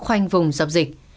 khoanh vùng dập dịch